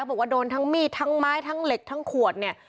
บอกว่าโดนทั้งมีดทั้งไม้ทั้งเหล็กทั้งขวดเนี่ย